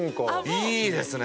いいですね。